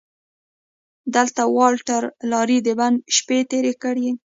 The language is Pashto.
دلته والټر رالي د بند شپې تېرې کړې.